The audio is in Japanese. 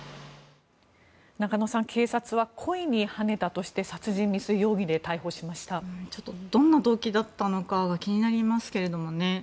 中野さん、警察は故意にはねたとして殺人未遂容疑でどんな動機だったのかが気になりますけれどもね。